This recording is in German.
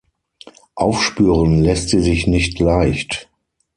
Aufspüren lässt sie sich nicht leicht.